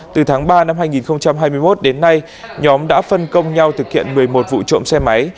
từ tháng ba năm hai nghìn hai mươi một đến nay nhóm đã phân công nhau thực hiện một mươi một vụ trộm xe máy